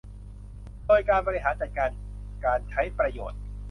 โดยการบริหารจัดการการใช้ประโยชน์